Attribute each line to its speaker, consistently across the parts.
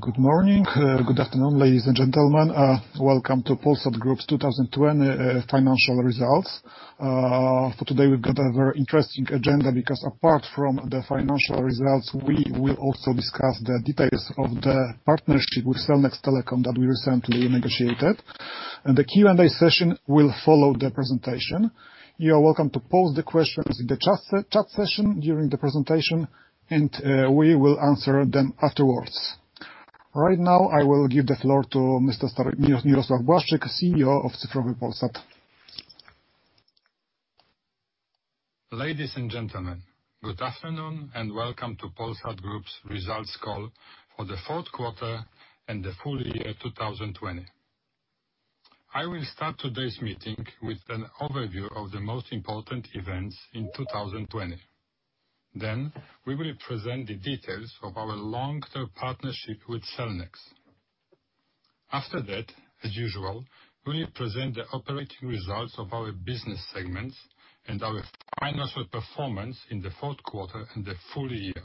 Speaker 1: Good morning. Good afternoon, ladies and gentlemen. Welcome to Polsat Group's 2020 financial results. For today, we've got a very interesting agenda because apart from the financial results, we will also discuss the details of the partnership with Cellnex Telecom that we recently negotiated, and the Q&A session will follow the presentation. You are welcome to pose the questions in the chat session during the presentation, and we will answer them afterwards. Right now, I will give the floor to Mr. Mirosław Błaszczyk, CEO of Cyfrowy Polsat.
Speaker 2: Ladies and gentlemen, good afternoon and welcome to Polsat Group's results call for the fourth quarter and the full year 2020. I will start today's meeting with an overview of the most important events in 2020. We will present the details of our long-term partnership with Cellnex. After that, as usual, we will present the operating results of our business segments and our financial performance in the fourth quarter and the full year.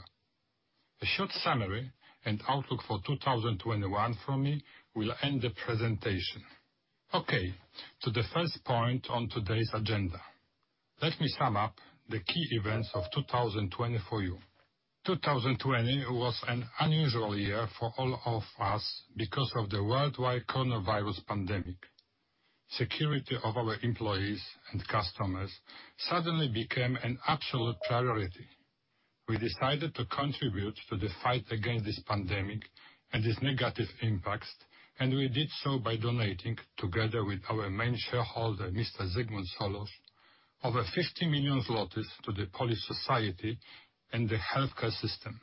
Speaker 2: A short summary and outlook for 2021 from me will end the presentation. Okay, to the first point on today's agenda. Let me sum up the key events of 2020 for you. 2020 was an unusual year for all of us because of the worldwide coronavirus pandemic. Security of our employees and customers suddenly became an absolute priority. We decided to contribute to the fight against this pandemic and its negative impacts, and we did so by donating, together with our main shareholder, Mr. Zygmunt Solorz, over 50 million zlotys to the Polish society and the healthcare system.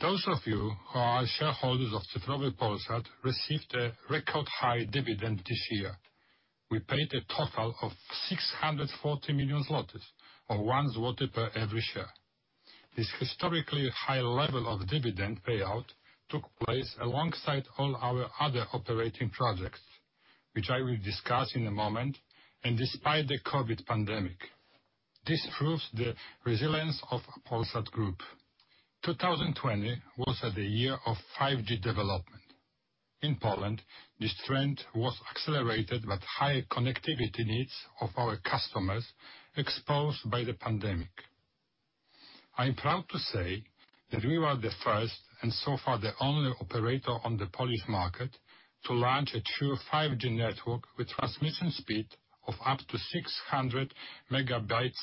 Speaker 2: Those of you who are shareholders of Cyfrowy Polsat received a record high dividend this year. We paid a total of 640 million zlotys, or 1 zloty per every share. This historically high level of dividend payout took place alongside all our other operating projects, which I will discuss in a moment, and despite the COVID pandemic. This proves the resilience of Polsat Group. 2020 was the year of 5G development. In Poland, this trend was accelerated by the higher connectivity needs of our customers exposed by the pandemic. I'm proud to say that we were the first, and so far, the only operator on the Polish market to launch a true 5G network with transmission speed of up to 600 Mbps.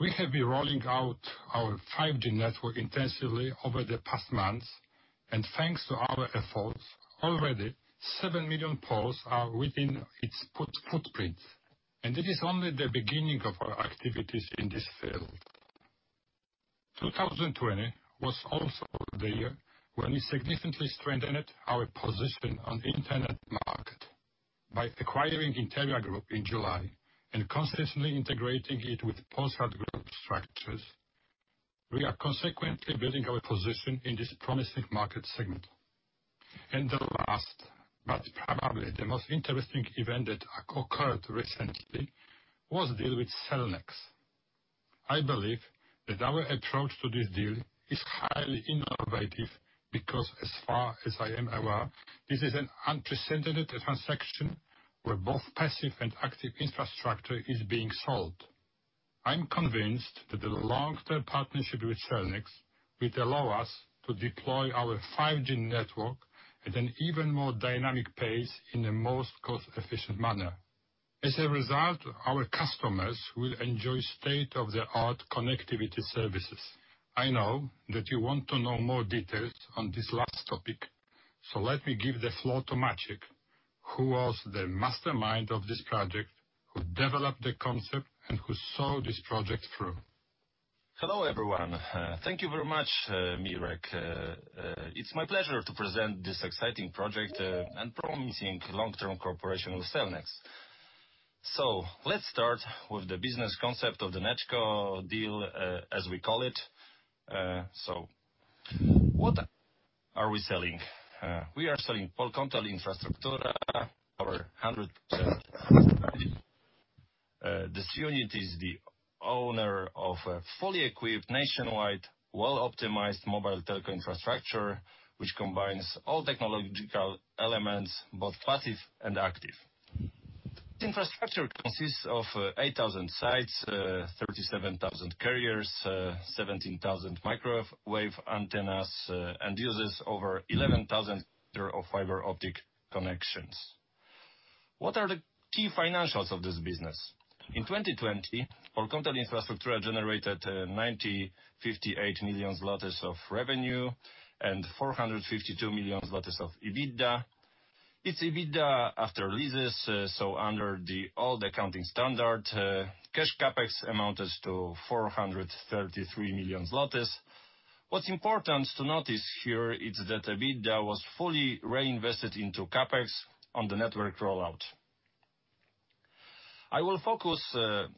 Speaker 2: We have been rolling out our 5G network intensively over the past months, and thanks to our efforts, already 7 million Poles are within its footprint, and it is only the beginning of our activities in this field. 2020 was also the year when we significantly strengthened our position on the internet market by acquiring Interia Group in July and consciously integrating it with Polsat Group structures. The last, but probably the most interesting event that occurred recently was the deal with Cellnex. I believe that our approach to this deal is highly innovative because as far as I am aware, this is an unprecedented transaction where both passive and active infrastructure is being sold. I'm convinced that the long-term partnership with Cellnex will allow us to deploy our 5G network at an even more dynamic pace in the most cost-efficient manner. As a result, our customers will enjoy state-of-the-art connectivity services. I know that you want to know more details on this last topic, so let me give the floor to Maciej, who was the mastermind of this project, who developed the concept, and who saw this project through.
Speaker 3: Hello, everyone. Thank you very much, Mirek. It's my pleasure to present this exciting project and promising long-term cooperation with Cellnex. Let's start with the business concept of the NetCo deal, as we call it. What are we selling? We are selling Polkomtel Infrastruktura, our 100%. This unit is the owner of a fully equipped, nationwide, well-optimized mobile telco infrastructure, which combines all technological elements, both passive and active. The infrastructure consists of 8,000 sites, 37,000 carriers, 17,000 microwave antennas, and uses over 11,000 km of fiber optic connections. What are the key financials of this business? In 2020, Polkomtel Infrastruktura generated 958 million of revenue and 452 million of EBITDA. It's EBITDA after leases, so under the old accounting standard, cash CapEx amounted to 433 million zlotys. What's important to notice here is that EBITDA was fully reinvested into CapEx on the network rollout. I will focus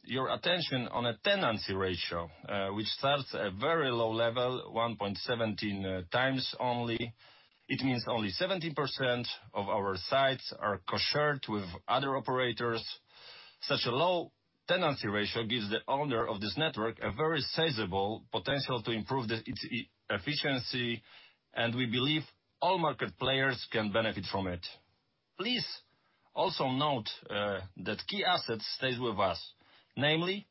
Speaker 3: your attention on a tenancy ratio, which starts at a very low level, 1.17x only. It means only 17% of our sites are shared with other operators. Such a low tenancy ratio gives the owner of this network a very sizable potential to improve its efficiency, and we believe all market players can benefit from it. Please also note that key assets stays with us. Namely,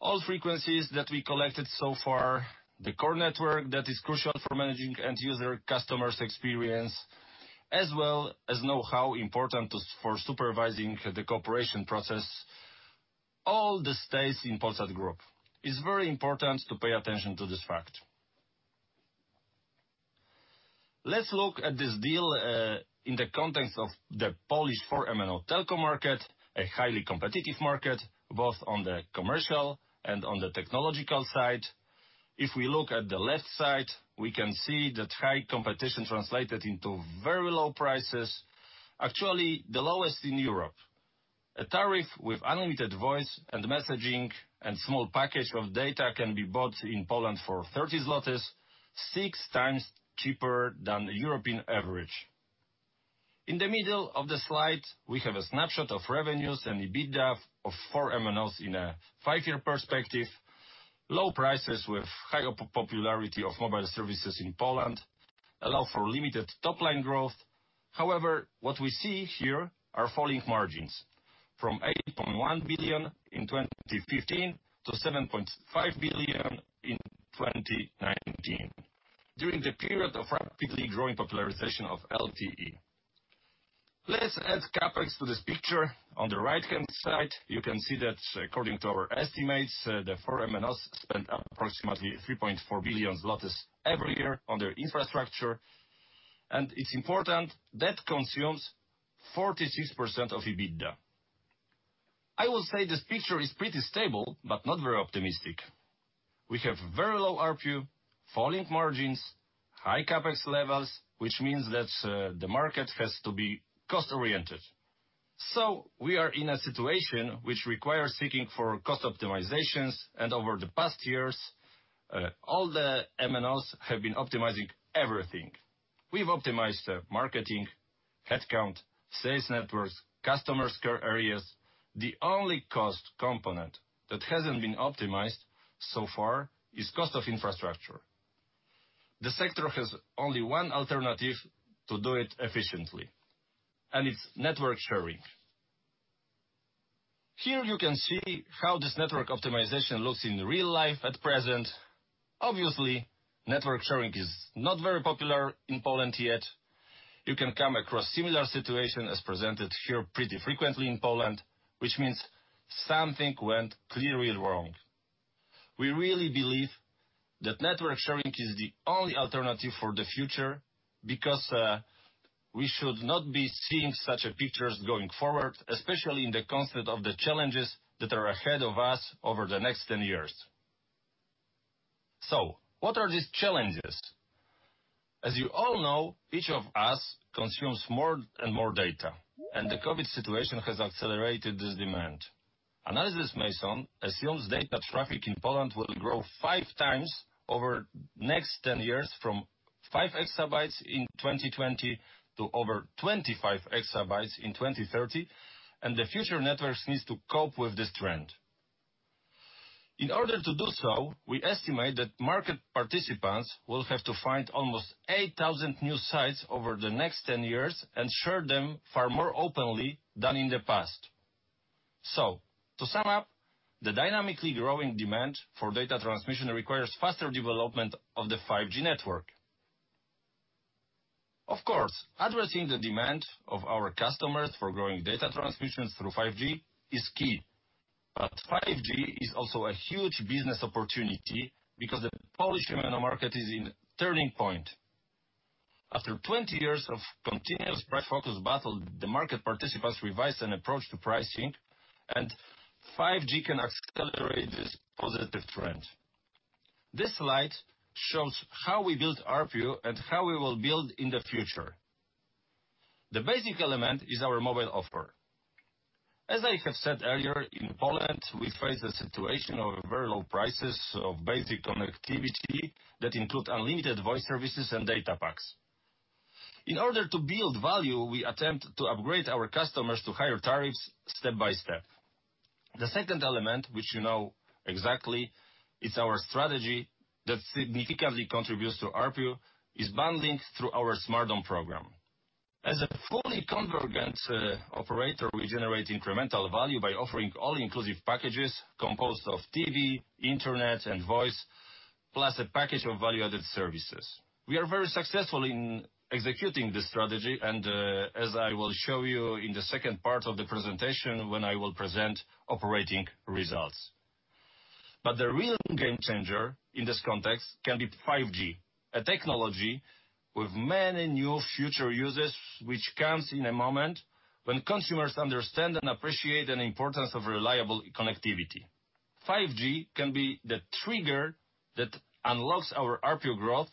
Speaker 3: all frequencies that we collected so far, the core network that is crucial for managing end user customers' experience, as well as know-how important for supervising the cooperation process. All this stays in Polsat Group. It's very important to pay attention to this fact. Let's look at this deal in the context of the Polish four MNO telco market, a highly competitive market, both on the commercial and on the technological side. If we look at the left side, we can see that high competition translated into very low prices, actually the lowest in Europe. A tariff with unlimited voice and messaging and small package of data can be bought in Poland for 30 zlotys, 6x cheaper than the European average. In the middle of the slide, we have a snapshot of revenues and EBITDA of four MNOs in a five-year perspective. Low prices with high popularity of mobile services in Poland allow for limited top-line growth. However, what we see here are falling margins, from 8.1 billion in 2015 to 7.5 billion in 2019, during the period of rapidly growing popularization of LTE. Let's add CapEx to this picture. On the right-hand side, you can see that according to our estimates, the four MNOs spend approximately 3.4 billion zlotys every year on their infrastructure. It's important, that consumes 46% of EBITDA. I will say this picture is pretty stable, but not very optimistic. We have very low ARPU, falling margins, high CapEx levels, which means that the market has to be cost-oriented. We are in a situation which requires seeking for cost optimizations, and over the past years, all the MNOs have been optimizing everything. We've optimized the marketing, headcount, sales networks, customer care areas. The only cost component that hasn't been optimized so far is cost of infrastructure. The sector has only one alternative to do it efficiently, and it's network sharing. Here you can see how this network optimization looks in real life at present. Obviously, network sharing is not very popular in Poland yet. You can come across similar situation as presented here pretty frequently in Poland, which means something went clearly wrong. We really believe that network sharing is the only alternative for the future, because we should not be seeing such pictures going forward, especially in the concept of the challenges that are ahead of us over the next 10 years. What are these challenges? As you all know, each of us consumes more and more data, and the COVID situation has accelerated this demand. Analysys Mason assumes data traffic in Poland will grow 5x over the next 10 years, from 5 EB in 2020 to over 25 EB in 2030, and the future networks needs to cope with this trend. In order to do so, we estimate that market participants will have to find almost 8,000 new sites over the next 10 years and share them far more openly than in the past. To sum up, the dynamically growing demand for data transmission requires faster development of the 5G network. Of course, addressing the demand of our customers for growing data transmissions through 5G is key. 5G is also a huge business opportunity because the Polish MNO market is in a turning point. After 20 years of continuous price focus battle, the market participants revised an approach to pricing, 5G can accelerate this positive trend. This slide shows how we built ARPU and how we will build in the future. The basic element is our mobile offer. As I have said earlier, in Poland, we face a situation of very low prices of basic connectivity that include unlimited voice services and data packs. In order to build value, we attempt to upgrade our customers to higher tariffs step by step. The second element, which you know exactly, is our strategy that significantly contributes to ARPU, is bundling through our smartDOM program. As a fully convergent operator, we generate incremental value by offering all-inclusive packages composed of TV, Internet and voice, plus a package of value-added services. We are very successful in executing this strategy, and as I will show you in the second part of the presentation, when I will present operating results. The real game changer in this context can be 5G, a technology with many new future uses, which comes in a moment when consumers understand and appreciate the importance of reliable connectivity. 5G can be the trigger that unlocks our ARPU growth,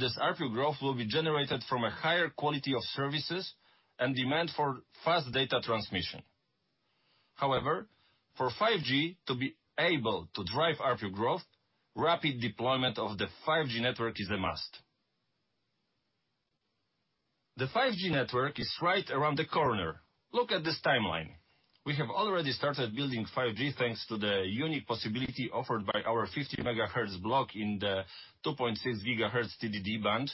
Speaker 3: this ARPU growth will be generated from a higher quality of services and demand for fast data transmission. For 5G to be able to drive ARPU growth, rapid deployment of the 5G network is a must. The 5G network is right around the corner. Look at this timeline. We have already started building 5G thanks to the unique possibility offered by our 50 MHz block in the 2.6 GHz TDD band.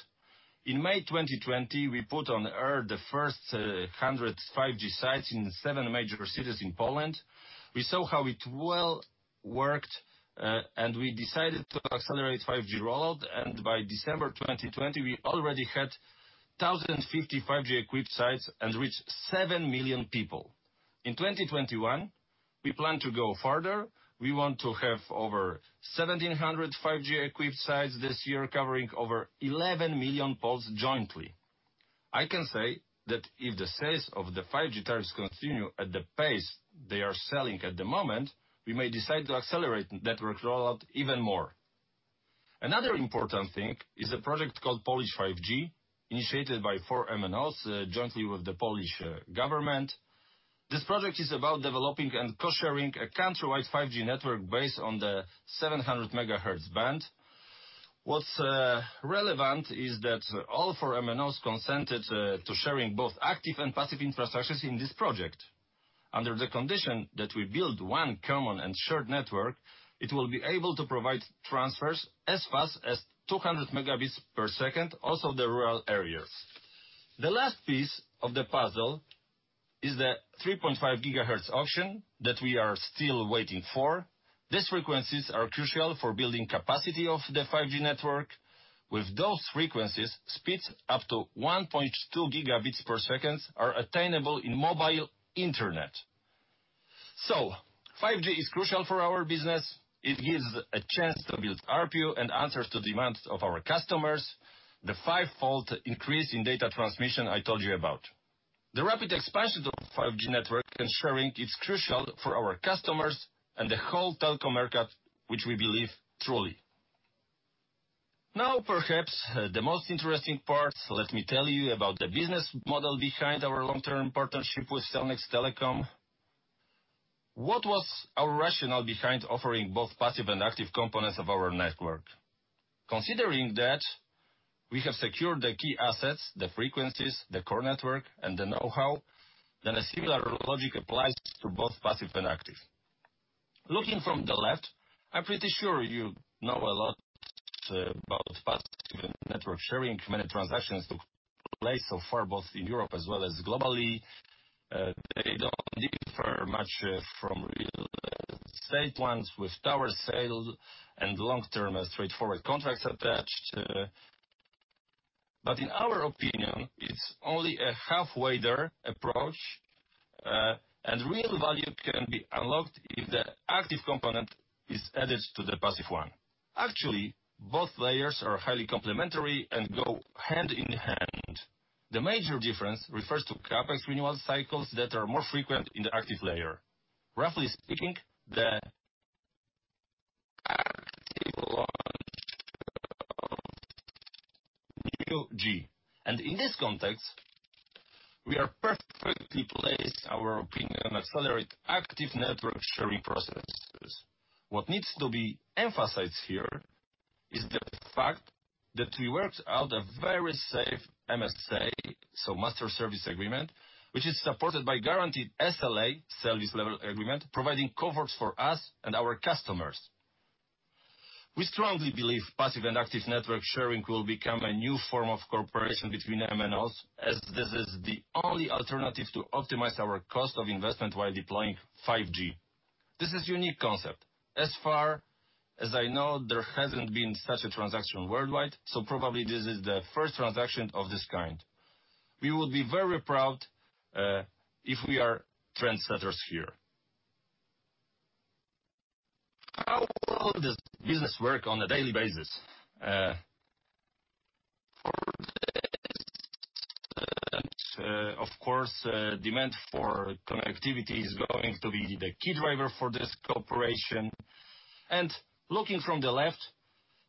Speaker 3: In May 2020, we put on air the first 100 5G sites in seven major cities in Poland. We saw how it well worked, we decided to accelerate 5G rollout, by December 2020, we already had 1,050 5G equipped sites and reached 7 million people. In 2021, we plan to go further. We want to have over 1,700 5G equipped sites this year, covering over 11 million Poles jointly. I can say that if the sales of the 5G tariffs continue at the pace they are selling at the moment, we may decide to accelerate network rollout even more. Another important thing is a project called Polish 5G, initiated by four MNOs jointly with the Polish government. This project is about developing and co-sharing a country-wide 5G network based on the 700 MHz band. What's relevant is that all four MNOs consented to sharing both active and passive infrastructures in this project. Under the condition that we build one common and shared network, it will be able to provide transfers as fast as 200 Mbps, also in the rural areas. The last piece of the puzzle is the 3.5 GHz auction that we are still waiting for. These frequencies are crucial for building capacity of the 5G network. With those frequencies, speeds up to 1.2 Gbps are attainable in mobile internet. 5G is crucial for our business. It gives a chance to build ARPU and answers to demands of our customers, the five-fold increase in data transmission I told you about. The rapid expansion of 5G network ensuring it's crucial for our customers and the whole telco market, which we believe truly. Perhaps the most interesting part. Let me tell you about the business model behind our long-term partnership with Cellnex Telecom. What was our rationale behind offering both passive and active components of our network? Considering that we have secured the key assets, the frequencies, the core network, and the know-how, a similar logic applies to both passive and active. Looking from the left, I'm pretty sure you know a lot about passive network sharing, many transactions took place so far, both in Europe as well as globally. They don't differ much from real estate ones with tower sales and long-term straightforward contracts attached. In our opinion, it's only a halfway there approach, and real value can be unlocked if the active component is added to the passive one. Both layers are highly complementary and go hand in hand. The major difference refers to CapEx renewal cycles that are more frequent in the active layer. Roughly speaking, the. [inaudible] In this context, we are perfectly placed, in our opinion, to accelerate active network sharing processes. What needs to be emphasized here is the fact that we worked out a very safe MSA, so master service agreement, which is supported by guaranteed SLA, service level agreement, providing comforts for us and our customers. We strongly believe passive and active network sharing will become a new form of cooperation between MNOs, as this is the only alternative to optimize our cost of investment while deploying 5G. This is unique concept. As far as I know, there hasn't been such a transaction worldwide, probably this is the first transaction of this kind. We would be very proud if we are trendsetters here. How does business work on a daily basis? Of course, demand for connectivity is going to be the key driver for this cooperation. Looking from the left,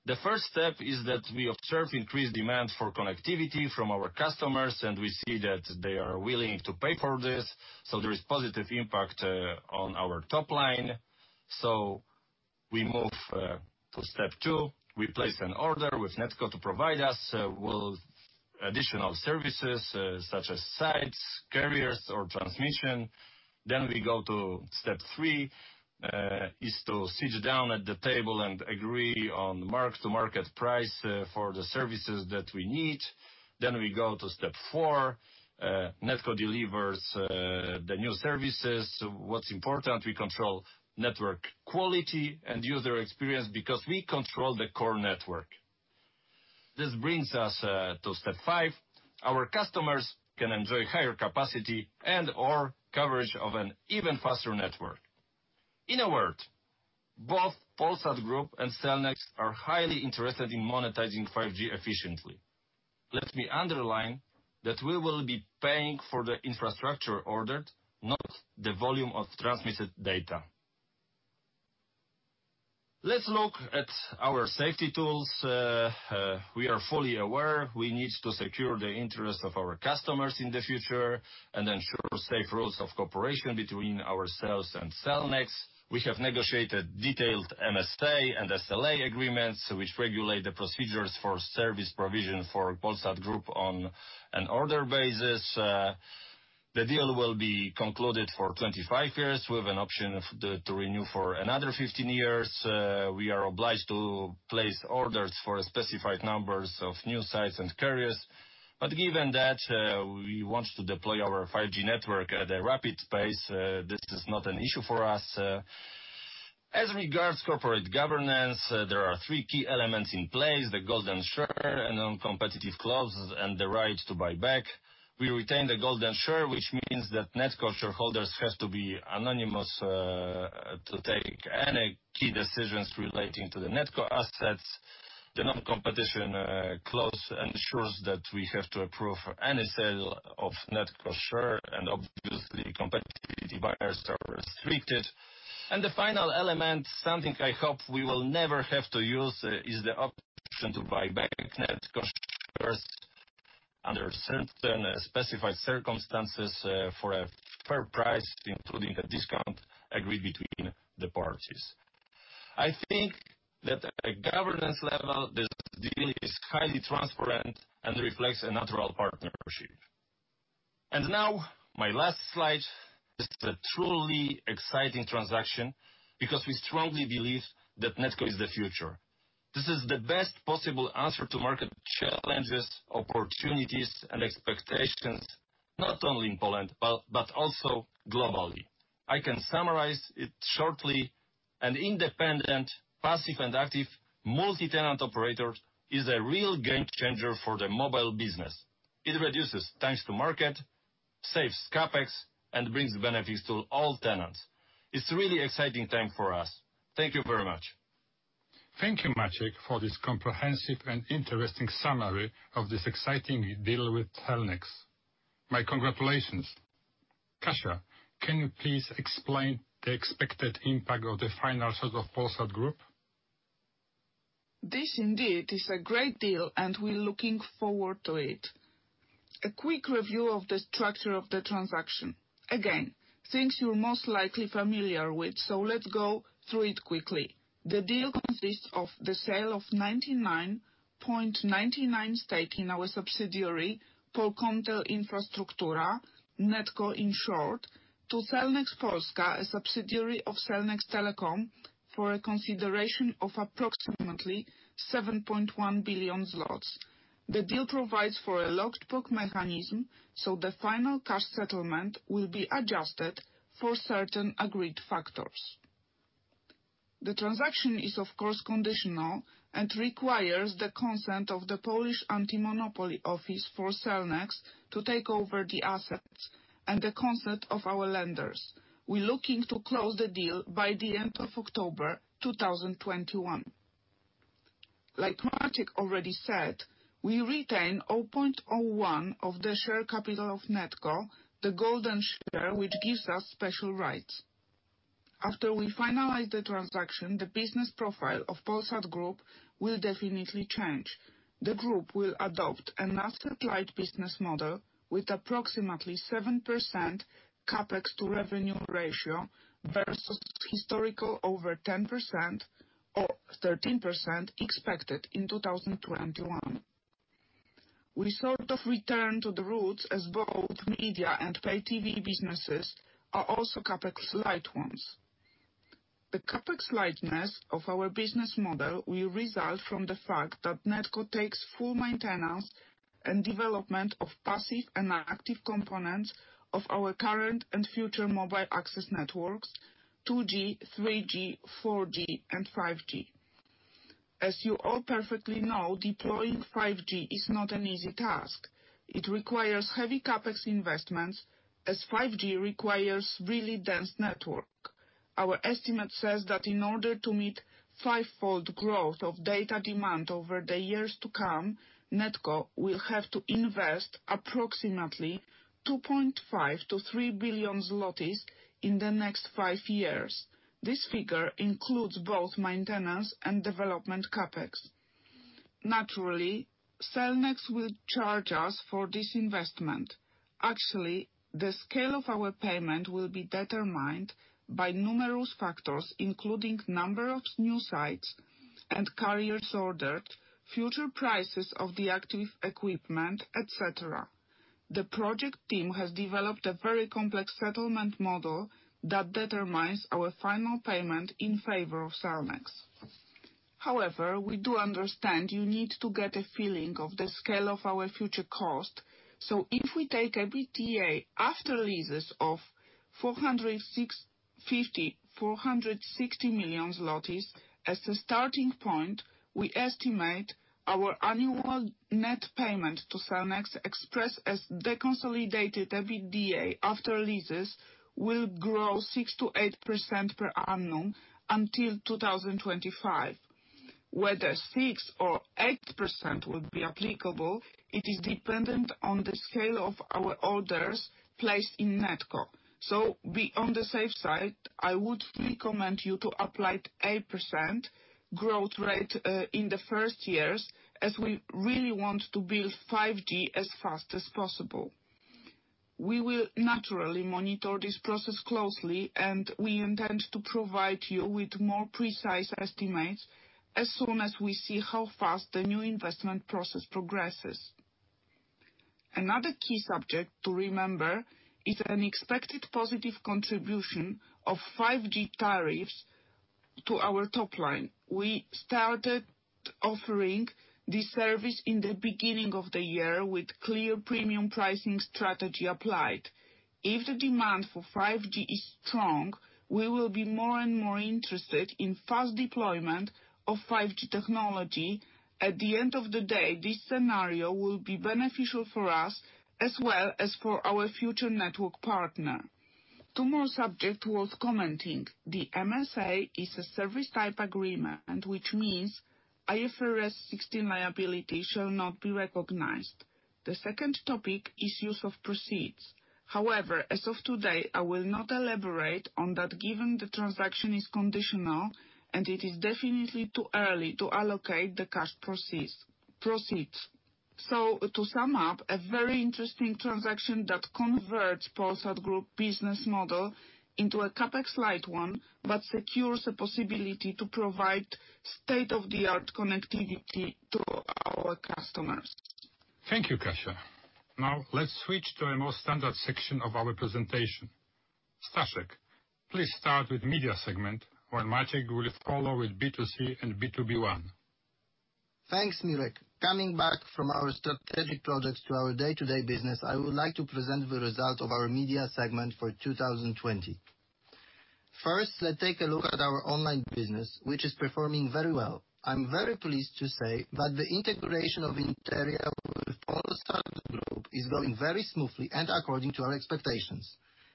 Speaker 3: the first step is that we observe increased demand for connectivity from our customers, and we see that they are willing to pay for this. There is positive impact on our top line. We move to step two. We place an order with NetCo to provide us with additional services such as sites, carriers or transmission. We go to step three, is to sit down at the table and agree on mark-to-market price for the services that we need. We go to step four. NetCo delivers the new services. What's important, we control network quality and user experience because we control the core network. This brings us to step five. Our customers can enjoy higher capacity and/or coverage of an even faster network. In a word, both Polsat Group and Cellnex are highly interested in monetizing 5G efficiently. Let me underline that we will be paying for the infrastructure ordered, not the volume of transmitted data. Let's look at our safety tools. We are fully aware we need to secure the interest of our customers in the future and ensure safe rules of cooperation between ourselves and Cellnex. We have negotiated detailed MSA and SLA agreements which regulate the procedures for service provision for Polsat Group on an order basis. The deal will be concluded for 25 years with an option to renew for another 15 years. We are obliged to place orders for specified numbers of new sites and carriers. Given that we want to deploy our 5G network at a rapid pace, this is not an issue for us. As regards corporate governance, there are three key elements in place: the golden share, a non-competitive clause, and the right to buy back. We retain the golden share, which means that NetCo shareholders have to be unanimous to take any key decisions relating to the NetCo assets. The non-competition clause ensures that we have to approve any sale of NetCo share and obviously competitive buyers are restricted. The final element, something I hope we will never have to use is the option to buy back NetCo shares under certain specified circumstances for a fair price, including a discount agreed between the parties. I think that at a governance level, this deal is highly transparent and reflects a natural partnership. Now my last slide. This is a truly exciting transaction because we strongly believe that NetCo is the future. This is the best possible answer to market challenges, opportunities, and expectations, not only in Poland, but also globally. I can summarize it shortly. An independent, passive and active multi-tenant operator is a real game changer for the mobile business. It reduces times to market, saves CapEx, and brings benefits to all tenants. It's really exciting time for us. Thank you very much.
Speaker 2: Thank you, Maciej, for this comprehensive and interesting summary of this exciting deal with Cellnex. My congratulations. Kasia, can you please explain the expected impact of the final sales of Polsat Group?
Speaker 4: This indeed is a great deal, and we're looking forward to it. A quick review of the structure of the transaction. Things you're most likely familiar with, let's go through it quickly. The deal consists of the sale of 99.99% stake in our subsidiary, Polkomtel Infrastruktura, NetCo in short, to Cellnex Polska, a subsidiary of Cellnex Telecom for a consideration of approximately 7.1 billion zlotys. The deal provides for a locked box mechanism, the final cash settlement will be adjusted for certain agreed factors. The transaction is of course conditional and requires the consent of the Polish antimonopoly office for Cellnex to take over the assets and the consent of our lenders. We're looking to close the deal by the end of October 2021. Like Maciej already said, we retain 0.01% of the share capital of NetCo, the golden share which gives us special rights. After we finalize the transaction, the business profile of Polsat Group will definitely change. The group will adopt an asset-light business model with approximately 7% CapEx to revenue ratio versus historical over 10% or 13% expected in 2021. We sort of return to the roots as both media and pay TV businesses are also CapEx light ones. The CapEx lightness of our business model will result from the fact that NetCo takes full maintenance and development of passive and active components of our current and future mobile access networks, 2G, 3G, 4G, and 5G. As you all perfectly know, deploying 5G is not an easy task. It requires heavy CapEx investments as 5G requires really dense network. Our estimate says that in order to meet fivefold growth of data demand over the years to come, NetCo will have to invest approximately 2.5 billion-3 billion zlotys in the next five years. This figure includes both maintenance and development CapEx. Naturally, Cellnex will charge us for this investment. Actually, the scale of our payment will be determined by numerous factors, including number of new sites and carriers ordered, future prices of the active equipment, et cetera. The project team has developed a very complex settlement model that determines our final payment in favor of Cellnex. However, we do understand you need to get a feeling of the scale of our future cost. If we take EBITDA after leases of 460 million as a starting point, we estimate our annual net payment to Cellnex expressed as the consolidated EBITDA after leases will grow 6%-8% per annum until 2025. Whether 6% or 8% will be applicable, it is dependent on the scale of our orders placed in NetCo. Be on the safe side, I would recommend you to apply 8% growth rate in the first years as we really want to build 5G as fast as possible. We will naturally monitor this process closely, and we intend to provide you with more precise estimates as soon as we see how fast the new investment process progresses. Another key subject to remember is an expected positive contribution of 5G tariffs to our top line. We started offering this service in the beginning of the year with clear premium pricing strategy applied. If the demand for 5G is strong, we will be more and more interested in fast deployment of 5G technology. At the end of the day, this scenario will be beneficial for us as well as for our future network partner. Two more subject worth commenting. The MSA is a service type agreement and which means IFRS 16 liability shall not be recognized. The second topic is use of proceeds. However, as of today, I will not elaborate on that, given the transaction is conditional and it is definitely too early to allocate the cash proceeds. To sum up, a very interesting transaction that converts Grupa Polsat business model into a CapEx-light one, but secures a possibility to provide state-of-the-art connectivity to our customers.
Speaker 2: Thank you, Kasia. Let's switch to a more standard section of our presentation. Staszek, please start with media segment, where Maciej will follow with B2C and B2B.
Speaker 5: Thanks, Mirek. Coming back from our strategic products to our day-to-day business, I would like to present the result of our media segment for 2020. First, let's take a look at our online business, which is performing very well. I'm very pleased to say that the integration of Interia with Polsat Group is going very smoothly and according to our expectations.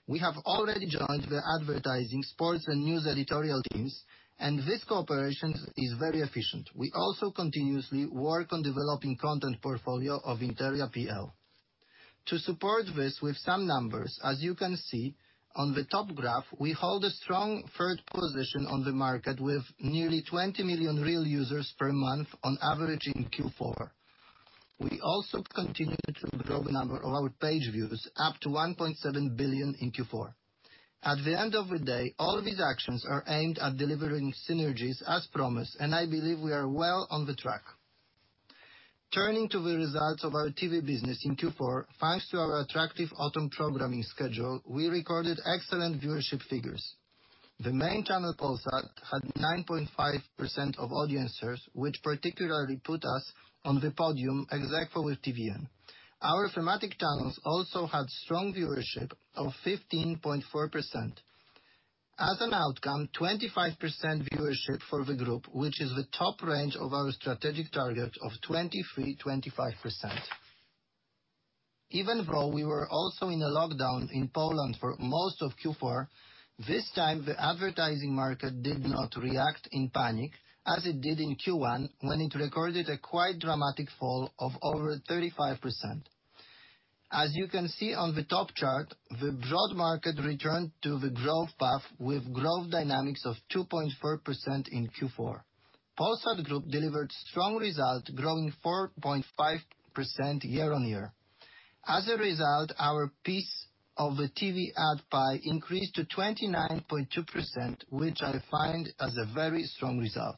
Speaker 5: We have already joined the advertising, sports, and news editorial teams, and this cooperation is very efficient. We also continuously work on developing content portfolio of Interia.pl. To support this with some numbers, as you can see on the top graph, we hold a strong third position on the market with nearly 20 million real users per month on average in Q4. We also continue to grow the number of our page views up to 1.7 billion in Q4. At the end of the day, all these actions are aimed at delivering synergies as promised, and I believe we are well on the track. Turning to the results of our TV business in Q4, thanks to our attractive autumn programming schedule, we recorded excellent viewership figures. The main channel, Polsat, had 9.5% of audiences, which particularly put us on the podium, exactly with TVN. Our thematic channels also had strong viewership of 15.4%. As an outcome, 25% viewership for the group, which is the top range of our strategic target of 23%-25%. Even though we were also in a lockdown in Poland for most of Q4, this time the advertising market did not react in panic as it did in Q1, when it recorded a quite dramatic fall of over 35%. As you can see on the top chart, the broad market returned to the growth path with growth dynamics of 2.4% in Q4. Polsat Group delivered strong result, growing 4.5% year-on-year. As a result, our piece of the TV ad pie increased to 29.2%, which I find as a very strong result.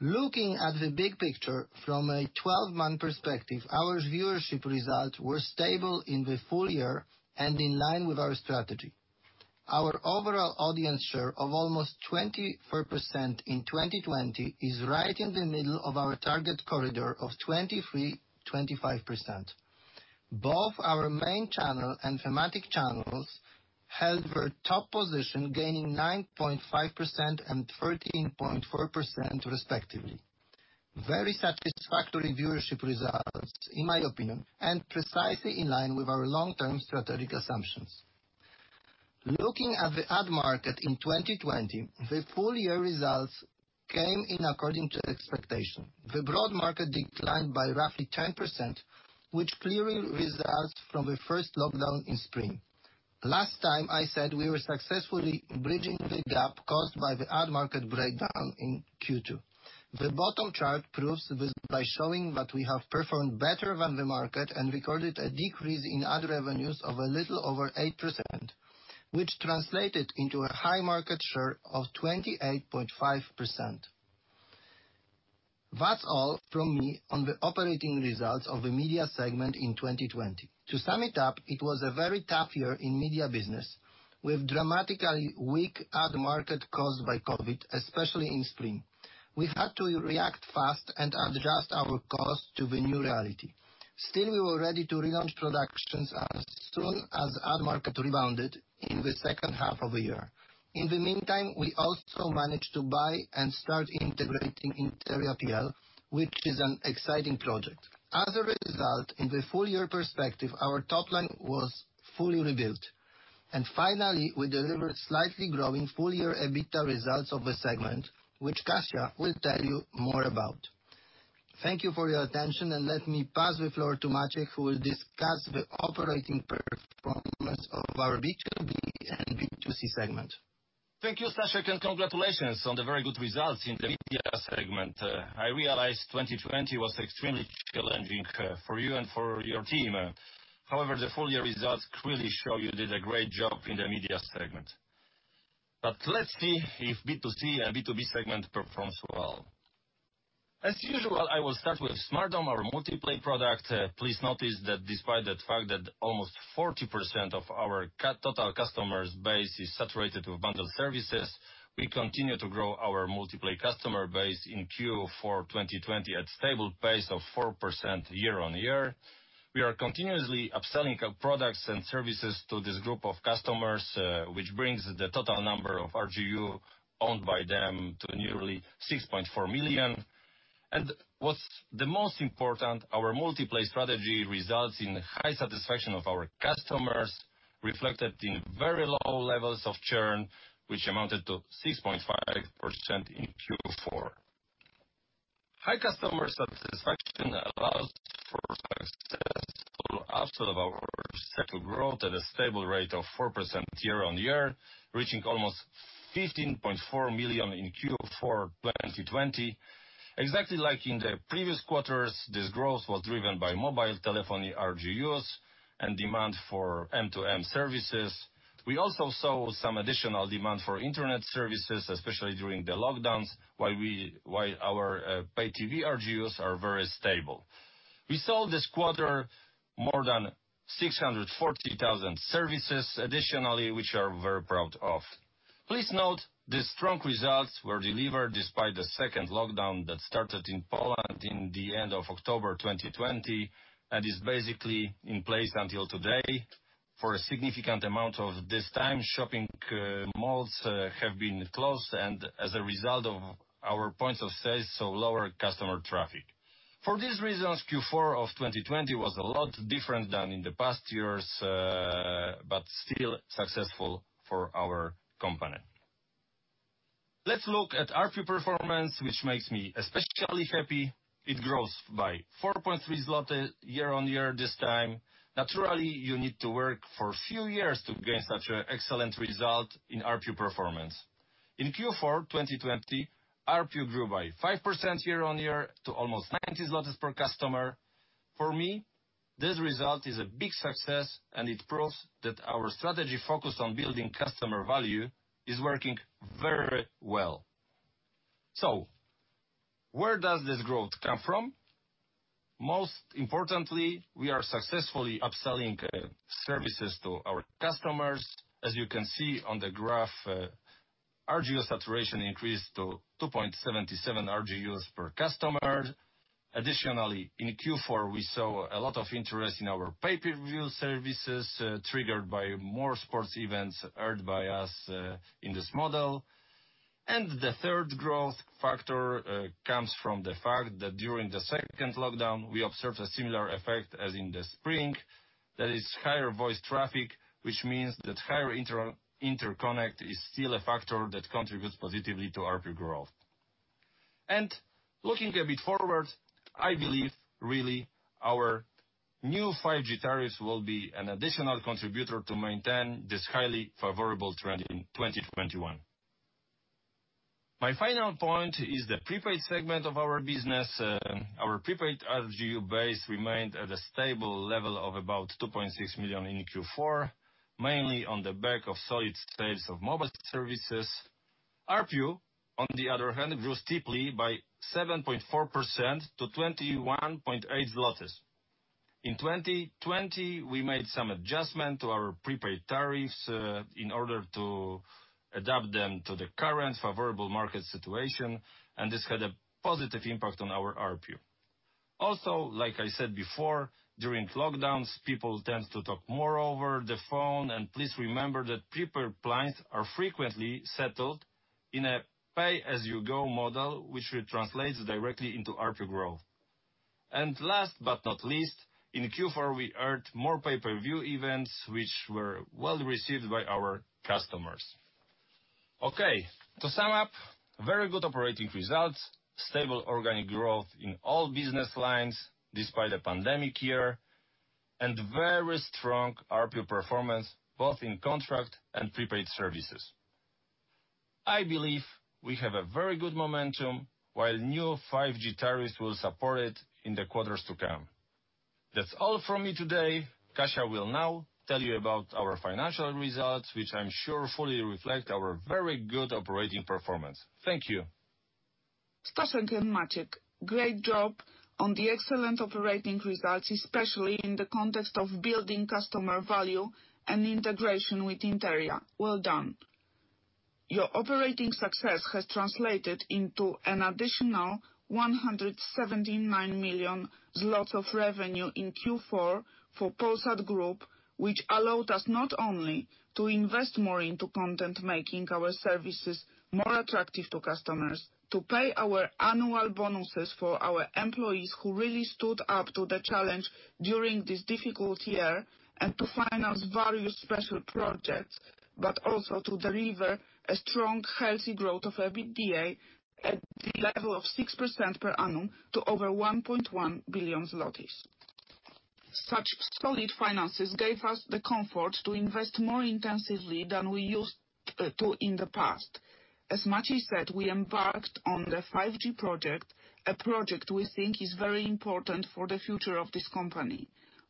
Speaker 5: Looking at the big picture from a 12-month perspective, our viewership results were stable in the full year and in line with our strategy. Our overall audience share of almost 24% in 2020 is right in the middle of our target corridor of 23%-25%. Both our main channel and thematic channels held their top position, gaining 9.5% and 13.4% respectively. Very satisfactory viewership results, in my opinion, and precisely in line with our long-term strategic assumptions. Looking at the ad market in 2020, the full-year results came in according to expectation. The broad market declined by roughly 10%, which clearly results from the first lockdown in spring. Last time I said we were successfully bridging the gap caused by the ad market breakdown in Q2. The bottom chart proves this by showing that we have performed better than the market and recorded a decrease in ad revenues of a little over 8%, which translated into a high market share of 28.5%. That's all from me on the operating results of the media segment in 2020. To sum it up, it was a very tough year in media business with dramatically weak ad market caused by COVID, especially in spring. We had to react fast and adjust our cost to the new reality. We were ready to relaunch productions as soon as ad market rebounded in the second half of the year. In the meantime, we also managed to buy and start integrating Interia.pl, which is an exciting project. As a result, in the full year perspective, our top line was fully rebuilt. Finally, we delivered slightly growing full-year EBITDA results of the segment, which Kasia will tell you more about. Thank you for your attention, and let me pass the floor to Maciej, who will discuss the operating performance of our B2B and B2C segment.
Speaker 3: Thank you, Staszek, and congratulations on the very good results in the media segment. I realize 2020 was extremely challenging for you and for your team. However, the full-year results clearly show you did a great job in the media segment. Let's see if B2C and B2B segment performs well. As usual, I will start with smartDOM, our multi-play product. Please notice that despite the fact that almost 40% of our total customers base is saturated with bundled services, we continue to grow our multi-play customer base in Q4 2020 at stable pace of 4% year-on-year. We are continuously upselling our products and services to this group of customers, which brings the total number of RGU owned by them to nearly 6.4 million. What's the most important, our multiplay strategy results in high satisfaction of our customers, reflected in very low levels of churn, which amounted to 6.5% in Q4. High customer satisfaction allows for successful upsell of our service base growth at a stable rate of 4% year-on-year, reaching almost 15.4 million in Q4 2020. Exactly like in the previous quarters, this growth was driven by mobile telephony RGUs and demand for M2M services. We also saw some additional demand for Internet services, especially during the lockdowns, while our pay TV RGUs are very stable. We sold this quarter more than 640,000 services additionally, which we are very proud of. Please note these strong results were delivered despite the second lockdown that started in Poland in the end of October 2020 and is basically in place until today. For a significant amount of this time, shopping malls have been closed and as a result of our points of sales, lower customer traffic. For these reasons, Q4 2020 was a lot different than in the past years, still successful for our company. Let's look at ARPU performance, which makes me especially happy. It grows by 4.3 zloty year-over-year this time. Naturally, you need to work for a few years to gain such an excellent result in ARPU performance. In Q4 2020, ARPU grew by 5% year-over-year to almost 90 zlotys per customer. For me, this result is a big success, it proves that our strategy focused on building customer value is working very well. Where does this growth come from? Most importantly, we are successfully upselling services to our customers. As you can see on the graph, RGU saturation increased to 2.77 RGUs per customer. Additionally, in Q4, we saw a lot of interest in our pay-per-view services, triggered by more sports events earned by us in this model. The third growth factor comes from the fact that during the second lockdown, we observed a similar effect as in the spring. That is higher voice traffic, which means that higher interconnect is still a factor that contributes positively to ARPU growth. Looking a bit forward, I believe really our new 5G tariffs will be an additional contributor to maintain this highly favorable trend in 2021. My final point is the prepaid segment of our business. Our prepaid RGU base remained at a stable level of about 2.6 million in Q4, mainly on the back of solid sales of mobile services. ARPU, on the other hand, grew steeply by 7.4% to 21.8 zlotys. In 2020, we made some adjustment to our prepaid tariffs in order to adapt them to the current favorable market situation, this had a positive impact on our ARPU. Like I said before, during lockdowns, people tend to talk more over the phone. Please remember that prepaid plans are frequently settled in a pay-as-you-go model, which translates directly into ARPU growth. Last but not least, in Q4, we earned more pay-per-view events, which were well received by our customers. To sum up, very good operating results, stable organic growth in all business lines despite a pandemic year, very strong ARPU performance both in contract and prepaid services. I believe we have a very good momentum while new 5G tariffs will support it in the quarters to come. That's all from me today. Kasia will now tell you about our financial results, which I'm sure fully reflect our very good operating performance. Thank you.
Speaker 4: Staszek and Maciej, great job on the excellent operating results, especially in the context of building customer value and integration with Interia. Well done. Your operating success has translated into an additional 179 million zlotys of revenue in Q4 for Polsat Group, which allowed us not only to invest more into content, making our services more attractive to customers, to pay our annual bonuses for our employees who really stood up to the challenge during this difficult year, and to finance various special projects, but also to deliver a strong, healthy growth of EBITDA at the level of 6% per annum to over 1.1 billion zlotys. Such solid finances gave us the comfort to invest more intensively than we used to in the past. As Maciej said, we embarked on the 5G project, a project we think is very important for the future of this company.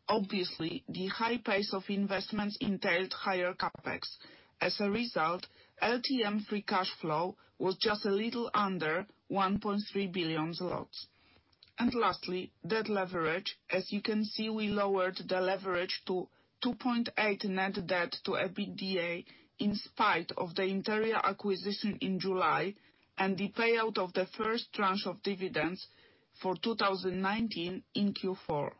Speaker 4: Obviously, the high pace of investments entailed higher CapEx. LTM free cash flow was just a little under 1.3 billion zlotys. Lastly, debt leverage. As you can see, we lowered the leverage to 2.8x net debt to EBITDA, in spite of the Interia acquisition in July and the payout of the first tranche of dividends for 2019 in Q4.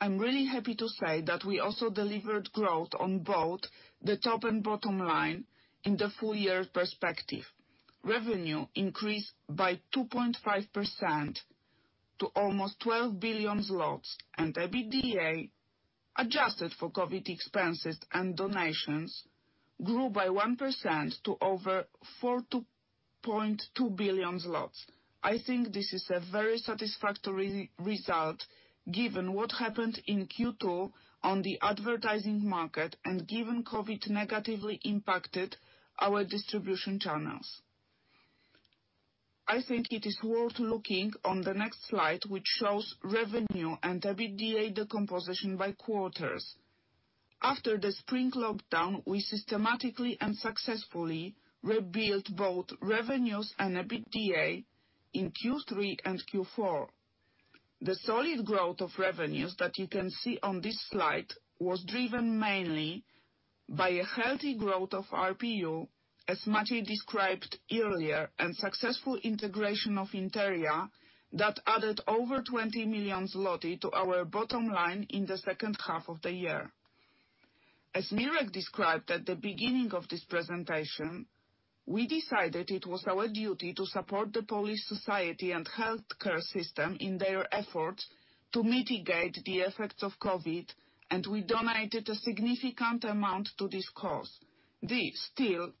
Speaker 4: I'm really happy to say that we also delivered growth on both the top and bottom line in the full year perspective. Revenue increased by 2.5% to almost 12 billion zlotys. EBITDA, adjusted for COVID expenses and donations, grew by 1% to over 4.2 billion zlotys. I think this is a very satisfactory result given what happened in Q2 on the advertising market and given COVID negatively impacted our distribution channels. I think it is worth looking on the next slide, which shows revenue and EBITDA decomposition by quarters. After the spring lockdown, we systematically and successfully rebuilt both revenues and EBITDA in Q3 and Q4. The solid growth of revenues that you can see on this slide was driven mainly by a healthy growth of ARPU, as Maciej described earlier, and successful integration of Interia that added over 20 million zloty to our bottom line in the second half of the year. As Mirek described at the beginning of this presentation, we decided it was our duty to support the Polish society and healthcare system in their efforts to mitigate the effects of COVID. We donated a significant amount to this cause. Still,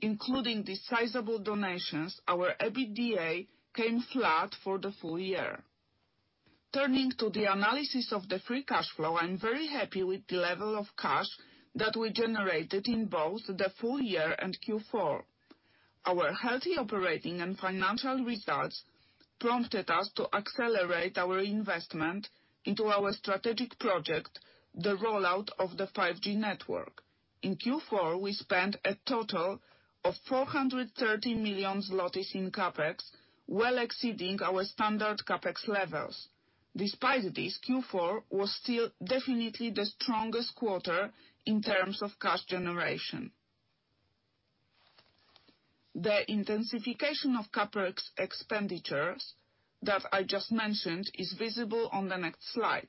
Speaker 4: including these sizable donations, our EBITDA came flat for the full year. Turning to the analysis of the free cash flow, I'm very happy with the level of cash that we generated in both the full year and Q4. Our healthy operating and financial results prompted us to accelerate our investment into our strategic project, the rollout of the 5G network. In Q4, we spent a total of 430 million zlotys in CapEx, well exceeding our standard CapEx levels. Despite this, Q4 was still definitely the strongest quarter in terms of cash generation. The intensification of CapEx expenditures that I just mentioned is visible on the next slide.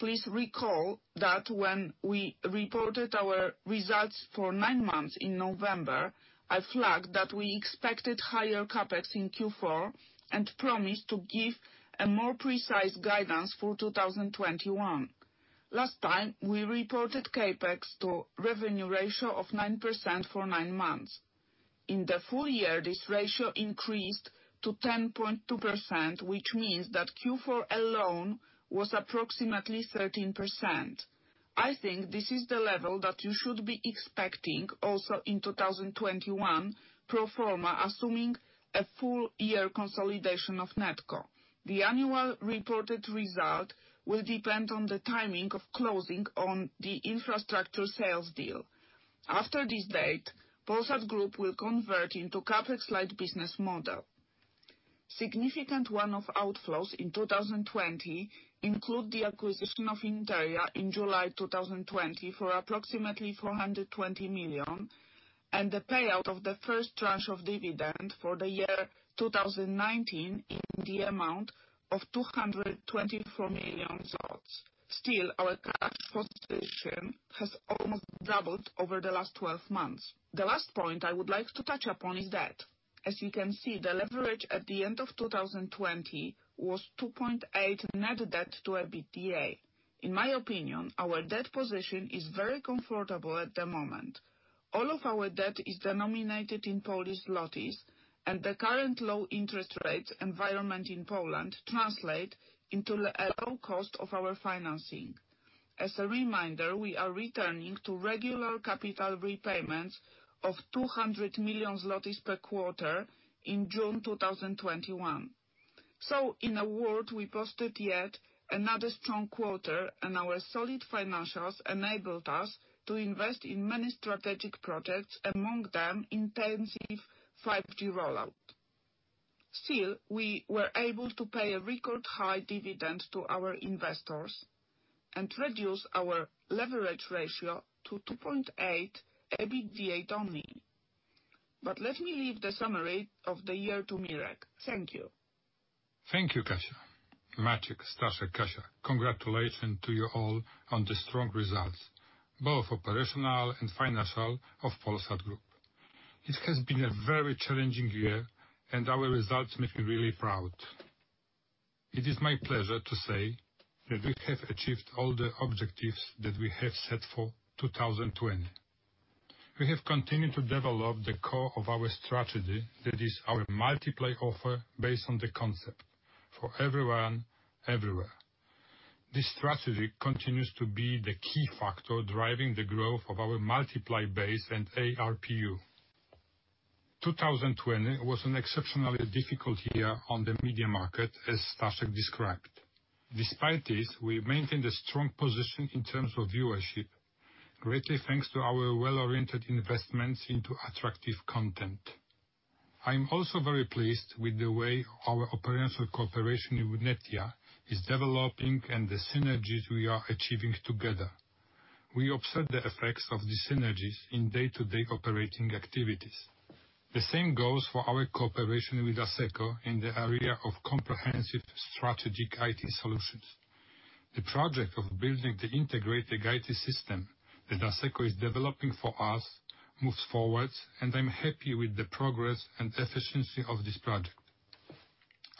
Speaker 4: Please recall that when we reported our results for nine months in November, I flagged that we expected higher CapEx in Q4 and promised to give a more precise guidance for 2021. Last time, we reported CapEx to revenue ratio of 9% for nine months. In the full year, this ratio increased to 10.2%, which means that Q4 alone was approximately 13%. I think this is the level that you should be expecting also in 2021, pro forma assuming a full year consolidation of NetCo. The annual reported result will depend on the timing of closing on the infrastructure sales deal. After this date, Polsat Group will convert into CapEx light business model. Significant one-off outflows in 2020 include the acquisition of Interia in July 2020 for approximately 420 million, and the payout of the first tranche of dividend for the year 2019 in the amount of 224 million. Our cash position has almost doubled over the last 12 months. The last point I would like to touch upon is debt. As you can see, the leverage at the end of 2020 was 2.8x net debt to EBITDA. In my opinion, our debt position is very comfortable at the moment. All of our debt is denominated in Polish zloty, and the current low interest rate environment in Poland translate into a low cost of our financing. As a reminder, we are returning to regular capital repayments of 200 million zlotys per quarter in June 2021. In a word, we posted yet another strong quarter and our solid financials enabled us to invest in many strategic projects, among them intensive 5G rollout. Still, we were able to pay a record high dividend to our investors and reduce our leverage ratio to 2.8x EBITDA only. Let me leave the summary of the year to Mirek. Thank you.
Speaker 2: Thank you, Kasia. Maciej, Staszek, Kasia, congratulations to you all on the strong results, both operational and financial of Polsat Group. It has been a very challenging year, and our results make me really proud. It is my pleasure to say that we have achieved all the objectives that we have set for 2020. We have continued to develop the core of our strategy, that is our multiplay offer based on the concept for everyone, everywhere. This strategy continues to be the key factor driving the growth of our multiplay base and ARPU. 2020 was an exceptionally difficult year on the media market, as Staszek described. Despite this, we maintained a strong position in terms of viewership, greatly thanks to our well-oriented investments into attractive content. I'm also very pleased with the way our operational cooperation with Netia is developing and the synergies we are achieving together. We observe the effects of the synergies in day-to-day operating activities. The same goes for our cooperation with Asseco in the area of comprehensive strategic IT solutions. The project of building the integrated IT system that Asseco is developing for us moves forward, I'm happy with the progress and efficiency of this project.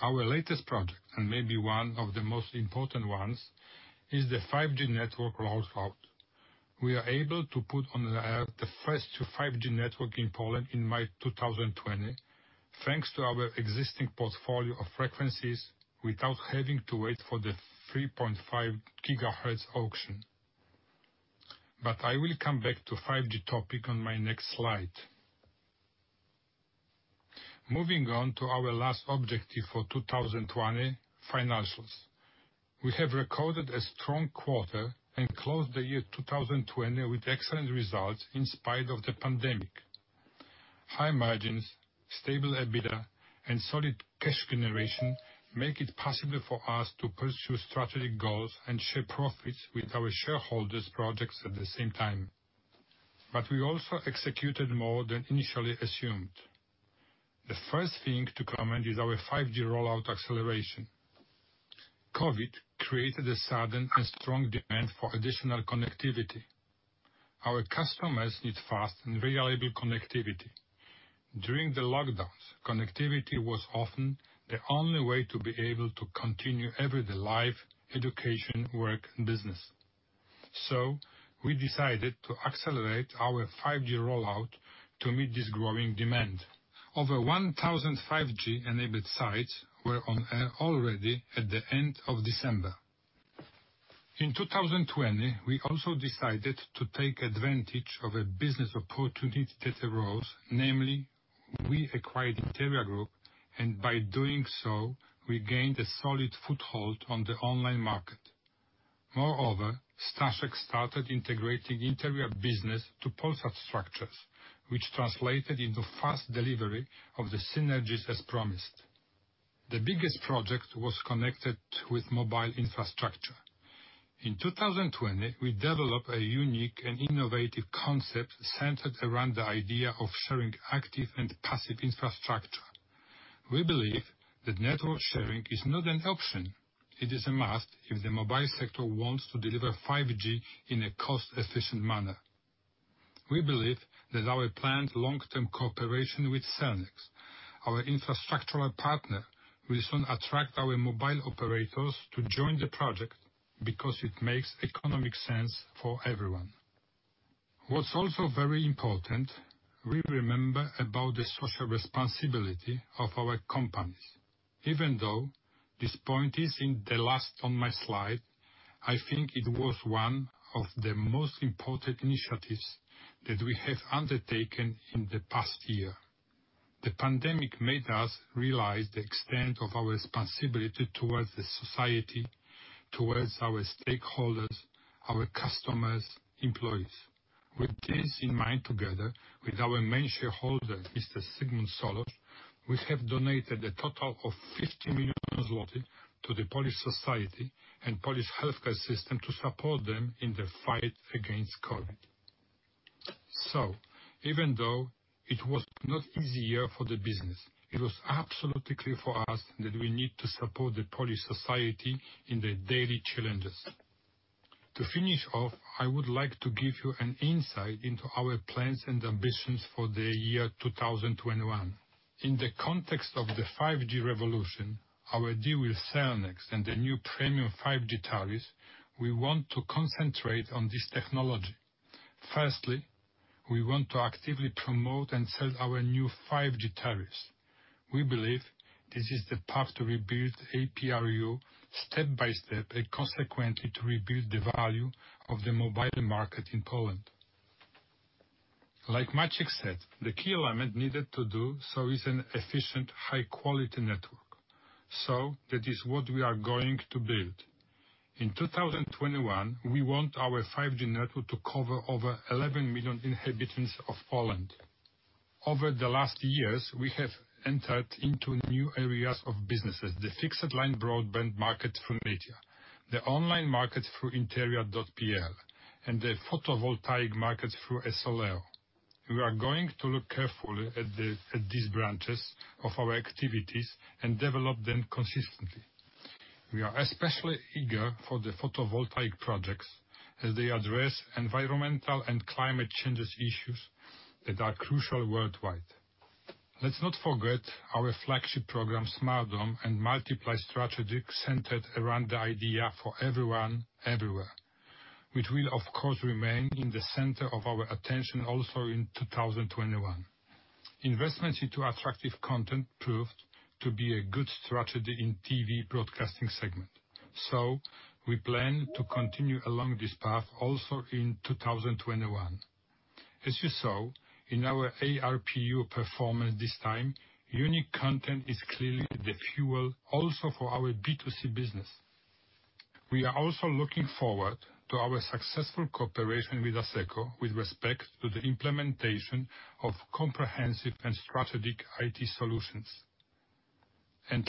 Speaker 2: Our latest project, maybe one of the most important ones, is the 5G network rollout. We are able to put on the air the first two 5G network in Poland in May 2020, thanks to our existing portfolio of frequencies without having to wait for the 3.5 GHz auction. I will come back to 5G topic on my next slide. Moving on to our last objective for 2020, financials. We have recorded a strong quarter and closed the year 2020 with excellent results in spite of the pandemic. High margins, stable EBITDA, and solid cash generation make it possible for us to pursue strategic goals and share profits with our shareholders projects at the same time. We also executed more than initially assumed. The first thing to comment is our 5G rollout acceleration. COVID created a sudden and strong demand for additional connectivity. Our customers need fast and reliable connectivity. During the lockdowns, connectivity was often the only way to be able to continue everyday life, education, work, and business. We decided to accelerate our 5G rollout to meet this growing demand. Over 1,000 5G-enabled sites were on air already at the end of December. In 2020, we also decided to take advantage of a business opportunity that arose, namely, we acquired Interia Group, and by doing so, we gained a solid foothold on the online market. Moreover, Staszek started integrating Interia business to Polsat structures, which translated into fast delivery of the synergies as promised. The biggest project was connected with mobile infrastructure. In 2020, we developed a unique and innovative concept centered around the idea of sharing active and passive infrastructure. We believe that network sharing is not an option. It is a must if the mobile sector wants to deliver 5G in a cost-efficient manner. We believe that our planned long-term cooperation with Cellnex, our infrastructural partner, will soon attract our mobile operators to join the project because it makes economic sense for everyone. What's also very important, we remember about the social responsibility of our companies. Even though this point isn't the last on my slide, I think it was one of the most important initiatives that we have undertaken in the past year. The pandemic made us realize the extent of our responsibility towards the society, towards our stakeholders, our customers, employees. With this in mind, together with our main shareholder, Mr. Zygmunt Solorz, we have donated a total of 50 million zloty to the Polish society and Polish healthcare system to support them in the fight against COVID. Even though it was not easy year for the business, it was absolutely clear for us that we need to support the Polish society in their daily challenges. To finish off, I would like to give you an insight into our plans and ambitions for the year 2021. In the context of the 5G revolution, our deal with Cellnex and the new premium 5G tariffs, we want to concentrate on this technology. Firstly, we want to actively promote and sell our new 5G tariffs. We believe this is the path to rebuild ARPU step-by-step and consequently to rebuild the value of the mobile market in Poland. Like Maciej said, the key element needed to do so is an efficient high-quality network. That is what we are going to build. In 2021, we want our 5G network to cover over 11 million inhabitants of Poland. Over the last years, we have entered into new areas of businesses, the fixed line broadband market through Netia, the online market through Interia.pl, and the photovoltaic market through ESOLEO. We are going to look carefully at these branches of our activities and develop them consistently. We are especially eager for the photovoltaic projects as they address environmental and climate changes issues that are crucial worldwide. Let's not forget our flagship program, smartDOM, and multiple strategies centered around the idea for everyone, everywhere. Which will of course, remain in the center of our attention also in 2021. Investments into attractive content proved to be a good strategy in TV broadcasting segment. We plan to continue along this path also in 2021. As you saw in our ARPU performance this time, unique content is clearly the fuel also for our B2C business. We are also looking forward to our successful cooperation with Asseco with respect to the implementation of comprehensive and strategic IT solutions.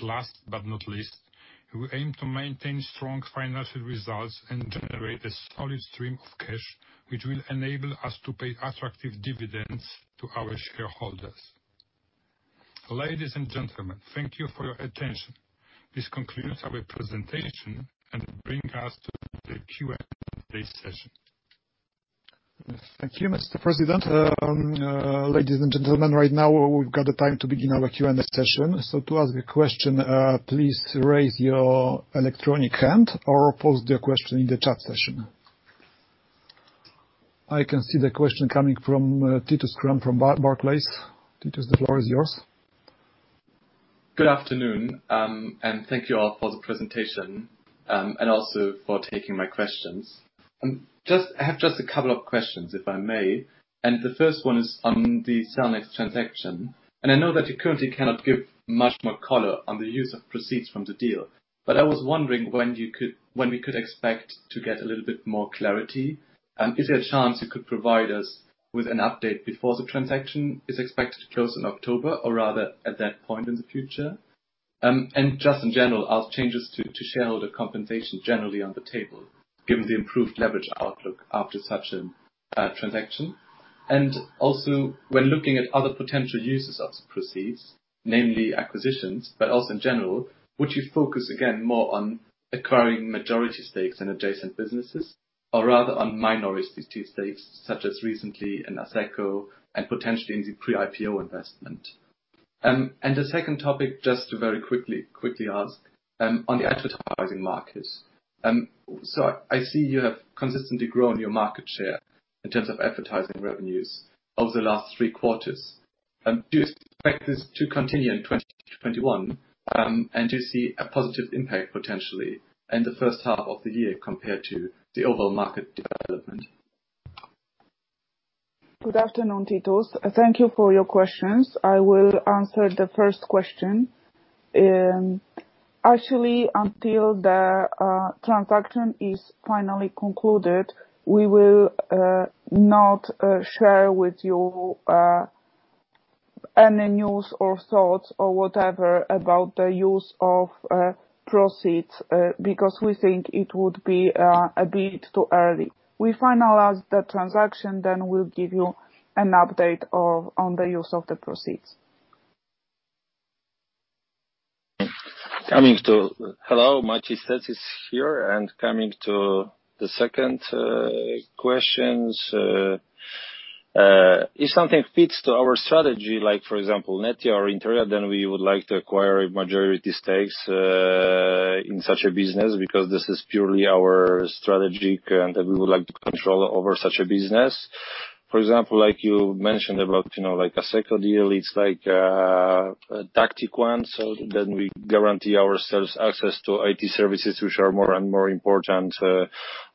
Speaker 2: Last but not least, we aim to maintain strong financial results and generate a solid stream of cash, which will enable us to pay attractive dividends to our shareholders. Ladies and gentlemen, thank you for your attention. This concludes our presentation and bring us to the Q&A session.
Speaker 1: Thank you, Mr President. Ladies and gentlemen, right now, we've got the time to begin our Q&A session. To ask a question, please raise your electronic hand or post the question in the chat session. I can see the question coming from Titus Krahn from Barclays. Titus, the floor is yours.
Speaker 6: Good afternoon. Thank you all for the presentation, and also for taking my questions. I have just a couple of questions, if I may, and the first one is on the Cellnex transaction. I know that you currently cannot give much more color on the use of proceeds from the deal. I was wondering when we could expect to get a little bit more clarity. Is there a chance you could provide us with an update before the transaction is expected to close in October or rather at that point in the future? Just in general, are changes to shareholder compensation generally on the table given the improved leverage outlook after such a transaction? Also when looking at other potential uses of the proceeds, namely acquisitions, but also in general, would you focus again more on acquiring majority stakes in adjacent businesses or rather on minority stakes, such as recently in Asseco and potentially in the pre-IPO investment? The second topic, just to very quickly ask on the advertising markets. I see you have consistently grown your market share in terms of advertising revenues over the last three quarters. Do you expect this to continue in 2021? Do you see a positive impact potentially in the first half of the year compared to the overall market development?
Speaker 4: Good afternoon, Titus. Thank you for your questions. I will answer the first question. Actually, until the transaction is finally concluded, we will not share with you any news or thoughts or whatever about the use of proceeds, because we think it would be a bit too early. We finalize the transaction, then we'll give you an update on the use of the proceeds.
Speaker 3: Hello. Maciej Stec is here, coming to the second questions. If something fits to our strategy, like for example, Netia or Interia, we would like to acquire a majority stakes in such a business, because this is purely our strategy and that we would like to control over such a business. For example, like you mentioned about, Asseco deal, it's like a tactic one. We guarantee ourselves access to IT services, which are more and more important,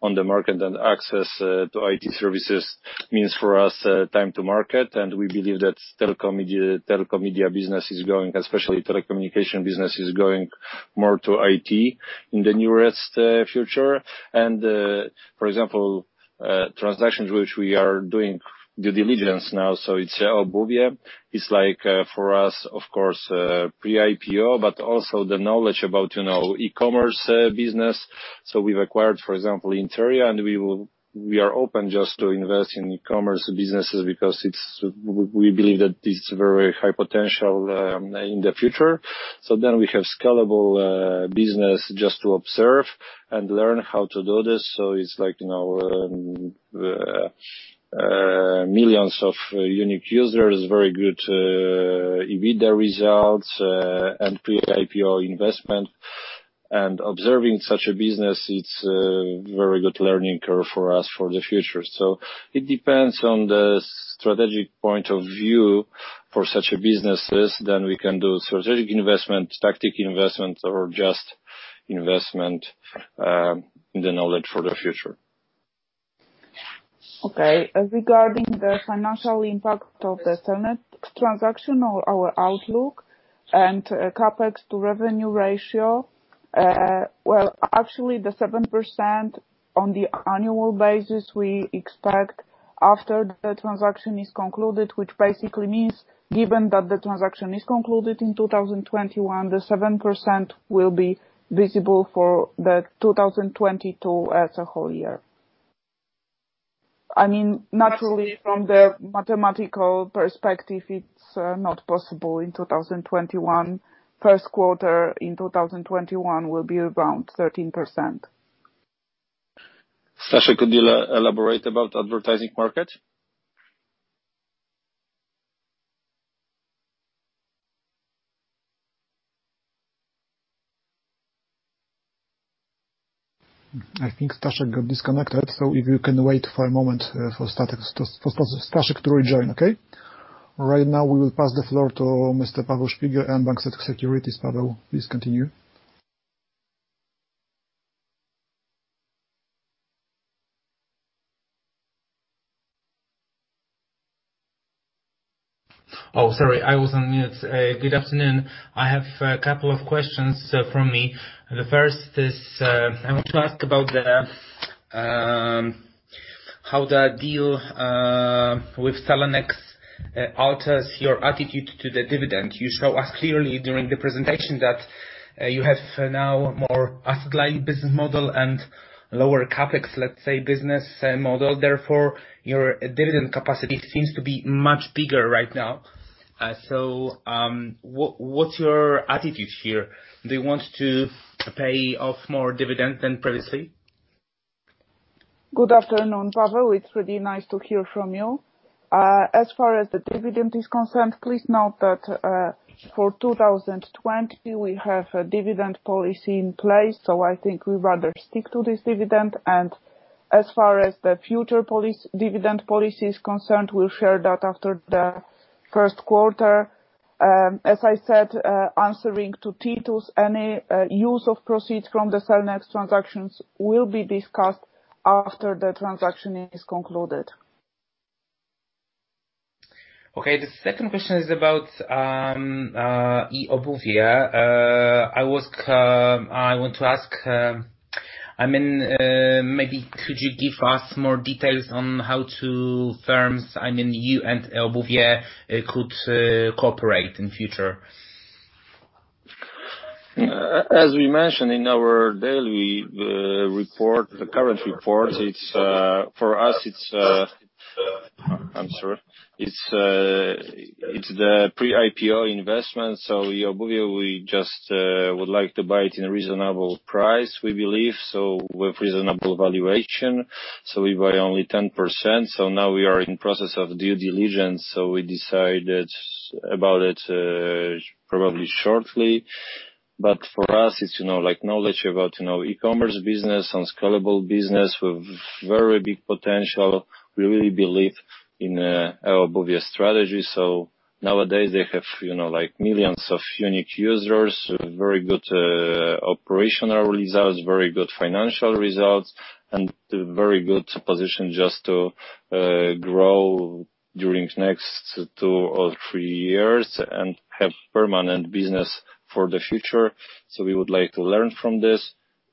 Speaker 3: on the market, and access to IT services means for us, time to market. We believe that telecom media business is going, especially telecommunication business, is going more to IT in the nearest future. For example, transactions which we are doing due diligence now, it's eobuwie.pl. It's like for us, of course, pre-IPO, but also the knowledge about e-commerce business. We've acquired, for example, Interia, and we are open just to invest in e-commerce businesses because we believe that it's very high potential in the future. We have scalable business just to observe and learn how to do this. It's like, millions of unique users, very good EBITDA results, and pre-IPO investment. Observing such a business, it's a very good learning curve for us for the future. It depends on the strategic point of view for such a businesses. We can do strategic investment, tactic investment, or just investment in the knowledge for the future.
Speaker 4: Okay. Regarding the financial impact of the Cellnex transaction or our outlook and CapEx to revenue ratio, well, actually, the 7% on the annual basis we expect after the transaction is concluded, which basically means, given that the transaction is concluded in 2021, the 7% will be visible for the 2022 as a whole year. Naturally, from the mathematical perspective, it's not possible in 2021. First quarter in 2021 will be around 13%.
Speaker 3: Staszek, could you elaborate about advertising market?
Speaker 1: I think Staszek got disconnected, so if you can wait for a moment for Staszek to rejoin. Okay? Right now, we will pass the floor to Mr. Paweł Szpigiel, mBank Securities. Paweł, please continue.
Speaker 7: Oh, sorry, I was on mute. Good afternoon. I have a couple of questions from me. The first is, I want to ask about how the deal with Cellnex alters your attitude to the dividend. You show us clearly during the presentation that you have now more asset-light business model and lower CapEx, let's say, business model. Your dividend capacity seems to be much bigger right now. What's your attitude here? Do you want to pay off more dividend than previously?
Speaker 4: Good afternoon, Paweł. It's really nice to hear from you. As far as the dividend is concerned, please note that for 2020, we have a dividend policy in place, so I think we'd rather stick to this dividend. As far as the future dividend policy is concerned, we'll share that after the first quarter. As I said, answering to Titus, any use of proceeds from the Cellnex transactions will be discussed after the transaction is concluded.
Speaker 7: Okay. The second question is about eobuwie.pl. I want to ask, maybe could you give us more details on how two firms, you and eobuwie.pl, could cooperate in future?
Speaker 3: As we mentioned in our daily report, the current report, for us it's I'm sorry. It's the pre-IPO investment, so eobuwie.pl, we just would like to buy it in a reasonable price, we believe, so with reasonable valuation. We buy only 10%. Now we are in process of due diligence, we decided about it probably shortly. For us, it's knowledge about e-commerce business and scalable business with very big potential. We really believe in eobuwie.pl strategy. Nowadays they have millions of unique users, very good operational results, very good financial results, and very good position just to grow during next two or three years and have permanent business for the future. We would like to learn from this,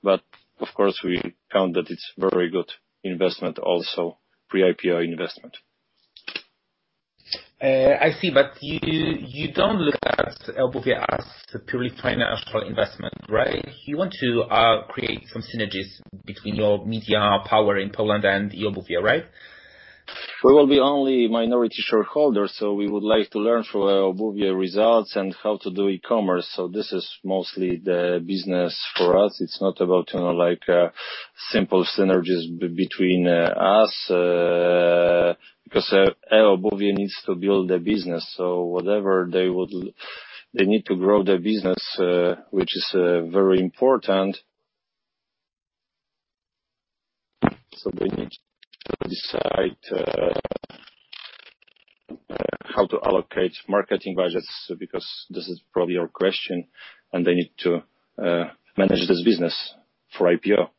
Speaker 3: but of course, we count that it's very good investment also, pre-IPO investment.
Speaker 7: I see. You don't look at eobuwie.pl as a purely financial investment, right? You want to create some synergies between your media power in Poland and eobuwie.pl, right?
Speaker 3: We will be only minority shareholder. We would like to learn from eobuwie.pl results and how to do e-commerce. This is mostly the business for us. It's not about simple synergies between us, because eobuwie.pl needs to build their business. They need to grow their business, which is very important. They need to decide how to allocate marketing budgets, because this is probably your question, and they need to manage this business for IPO.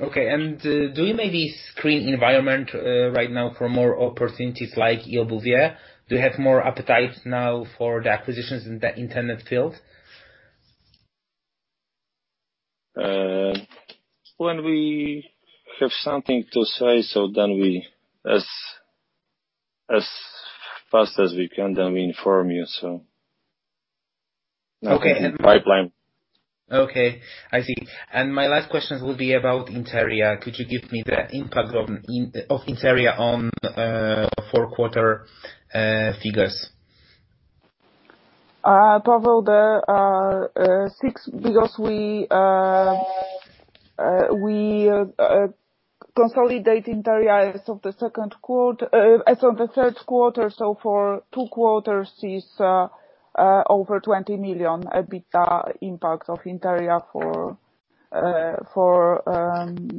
Speaker 7: Okay. Do you maybe screen environment right now for more opportunities like eobuwie.pl? Do you have more appetite now for the acquisitions in the internet field?
Speaker 3: When we have something to say, as fast as we can, then we inform you.
Speaker 7: Okay.
Speaker 3: Pipeline.
Speaker 7: Okay. I see. My last questions will be about Interia. Could you give me the impact of Interia on fourth quarter figures?
Speaker 4: Paweł, there are six because we consolidate Interia as of the third quarter, so for two quarters is over 20 million EBITDA impact of Interia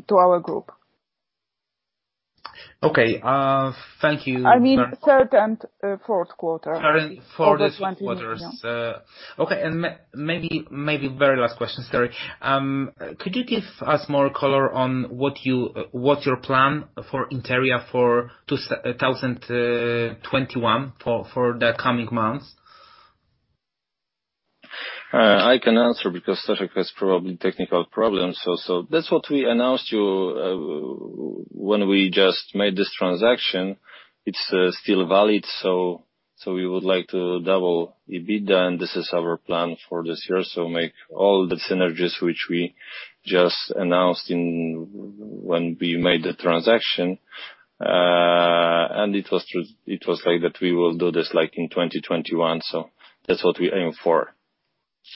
Speaker 4: to our group.
Speaker 7: Okay. Thank you.
Speaker 4: I mean third and fourth quarter.
Speaker 7: Third and fourth quarters.
Speaker 4: Over PLN 20 million.
Speaker 7: Okay. Maybe very last question. Sorry. Could you give us more color on what's your plan for Interia for 2021, for the coming months?
Speaker 3: I can answer because Staszek has probably technical problems also. That's what we announced you when we just made this transaction. It's still valid. We would like to double EBITDA, and this is our plan for this year. Make all the synergies which we just announced when we made the transaction. It was like that we will do this in 2021. That's what we aim for.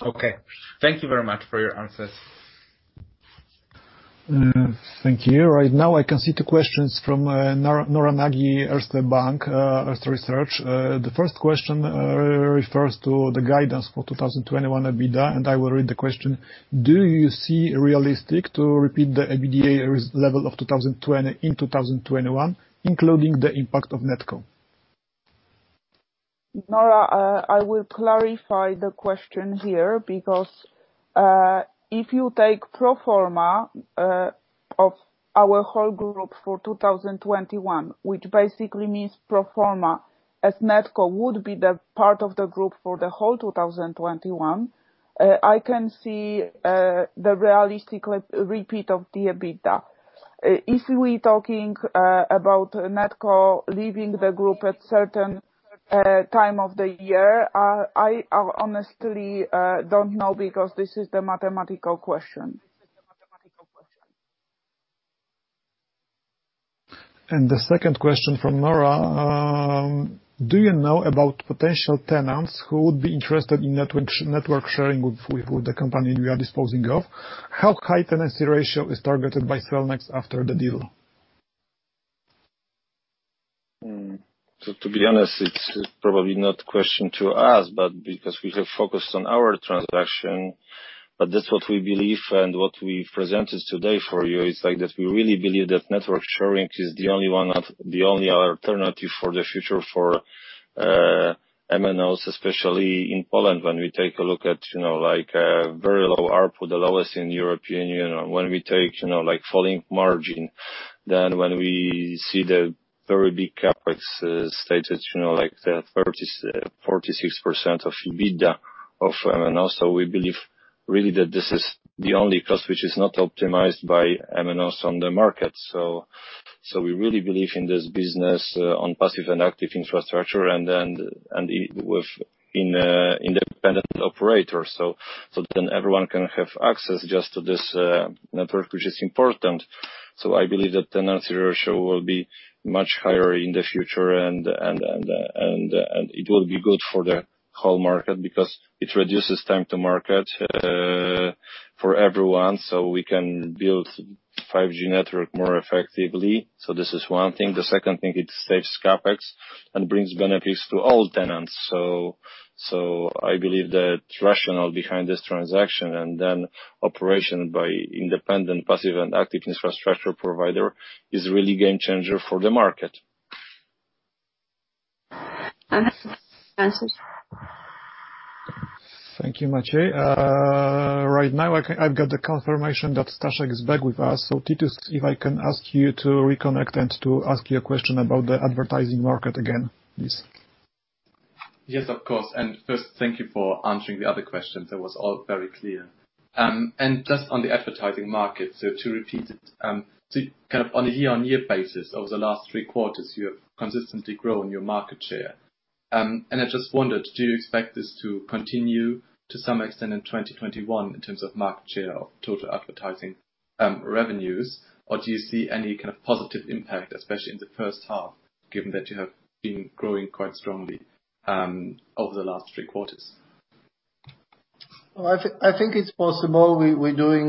Speaker 7: Okay. Thank you very much for your answers.
Speaker 1: Thank you. Right now, I can see two questions from Nora Nagy, Erste Group, Erste Group Research. The first question refers to the guidance for 2021 EBITDA, I will read the question. Do you see realistic to repeat the EBITDA level of 2020 in 2021, including the impact of NetCo?
Speaker 4: Nora, I will clarify the question here, because if you take pro forma of our whole group for 2021, which basically means pro forma as NetCo would be the part of the group for the whole 2021, I can see the realistic repeat of the EBITDA. If we talking about NetCo leaving the group at certain time of the year, I honestly don't know, because this is the mathematical question.
Speaker 1: The second question from Nora, do you know about potential tenants who would be interested in network sharing with the company we are disposing of? How high tenancy ratio is targeted by Cellnex after the deal?
Speaker 3: To be honest, it's probably not question to us, but because we have focused on our transaction. That's what we believe and what we presented today for you, is that we really believe that network sharing is the only alternative for the future for MNOs, especially in Poland, when we take a look at very low ARPU, the lowest in European Union, when we take falling margin, then when we see the very big CapEx stated, like the 46% of EBITDA of MNO. We believe really that this is the only cost which is not optimized by MNOs on the market. Then everyone can have access just to this network, which is important. I believe that tenancy ratio will be much higher in the future, and it will be good for the whole market because it reduces time to market for everyone. We can build 5G network more effectively. The second thing, it saves CapEx and brings benefits to all tenants. I believe that rationale behind this transaction and then operation by independent, passive and active infrastructure provider is really game changer for the market.
Speaker 4: Thanks Maciej.
Speaker 1: Thank you, Maciej. Right now, I've got the confirmation that Staszek is back with us. Titus, if I can ask you to reconnect and to ask you a question about the advertising market again, please.
Speaker 6: Yes, of course. First thank you for answering the other questions. That was all very clear. Just on the advertising market, so to repeat it, on a year-on-year basis over the last three quarters, you have consistently grown your market share. I just wondered, do you expect this to continue to some extent in 2021 in terms of market share of total advertising revenues? Or do you see any kind of positive impact, especially in the first half, given that you have been growing quite strongly over the last three quarters?
Speaker 5: I think it's possible.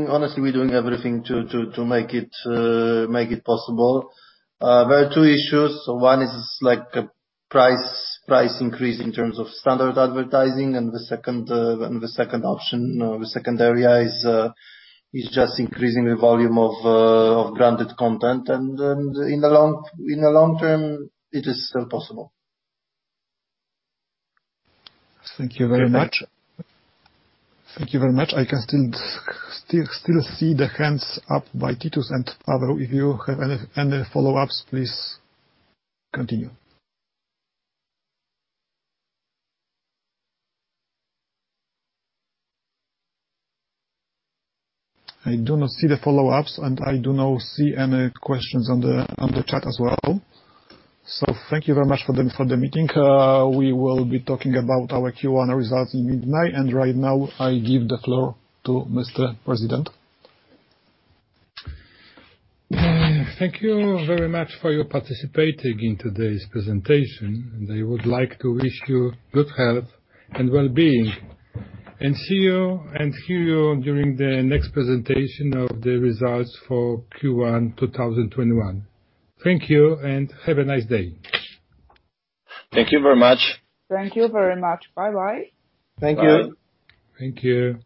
Speaker 5: Honestly, we're doing everything to make it possible. There are two issues. One is a price increase in terms of standard advertising, and the second area is just increasing the volume of branded content. In the long term, it is still possible.
Speaker 1: Thank you very much. I can still see the hands up by Titus and Paweł. If you have any follow-ups, please continue. I do not see the follow-ups, and I do not see any questions on the chat as well. Thank you very much for the meeting. We will be talking about our Q1 results in mid-May. Right now, I give the floor to Mr. President.
Speaker 2: Thank you very much for your participating in today's presentation, and I would like to wish you good health and well-being, and see you and hear you during the next presentation of the results for Q1 2021. Thank you, and have a nice day.
Speaker 3: Thank you very much.
Speaker 4: Thank you very much. Bye-bye.
Speaker 5: Thank you.
Speaker 2: Thank you.